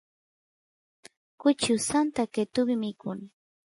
kuchi usanta qetuvi mikun